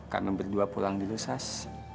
kami berdua pulang dulu sis